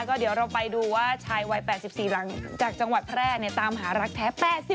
ก็เดี๋ยวเราไปดูว่าชายวัย๘๔หลังจากจังหวัดแพร่ตามหารักแท้